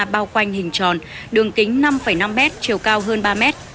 bao quanh hình tròn đường kính năm năm m chiều cao hơn ba mét